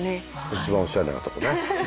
一番おしゃれなとこね。